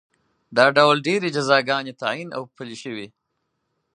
دا ډول ډېرې جزاګانې تعین او پلې شوې